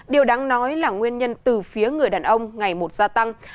điều đáng nói là nguyên nhân từ phía người đàn ông ngày một gia tăng